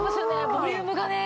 ボリュームがね。